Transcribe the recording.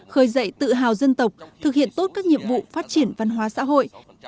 khởi dậy tự hào dân tộc thực hiện tốt các nhiệm vụ phát triển văn hóa xã hội